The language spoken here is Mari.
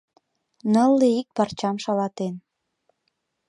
Нылле ик парчам шалатен.